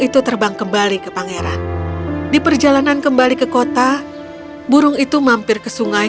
itu terbang kembali ke pangeran di perjalanan kembali ke kota burung itu mampir ke sungai